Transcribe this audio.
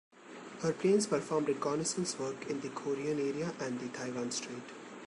Her planes performed reconnaissance work in the Korean area and in the Taiwan Strait.